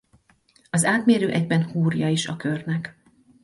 Az átmérő egyben húrja is a körnek.